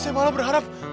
saya malah berharap